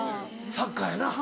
サッカーやな。